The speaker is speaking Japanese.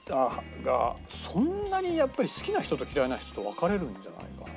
そんなにやっぱり好きな人と嫌いな人と分かれるんじゃないかな。